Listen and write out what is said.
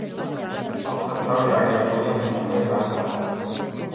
წყალსაცავი აგებულია მდინარე რაზდანზე.